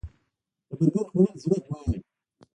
د برګر خوړل زړه غواړي